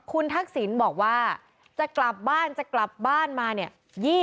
คุณทักษิณบอกว่าจะกลับบ้านจะกลับบ้านมาเนี่ย